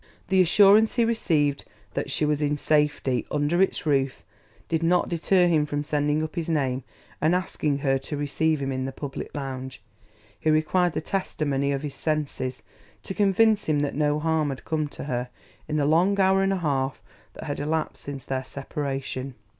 The assurance he received that she was in safety under its roof did not deter him from sending up his name and asking her to receive him in the public lounge; he required the testimony of his senses to convince him that no harm had come to her in the long hour and a half that had elapsed since their separation.